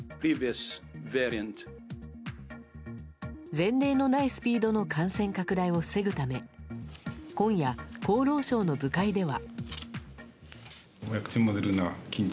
前例のないスピードの感染拡大を防ぐため今夜、厚労省の部会では。